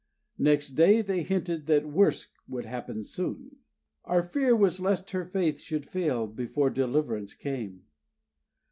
Next day they hinted that worse would happen soon. Our fear was lest her faith should fail before deliverance came.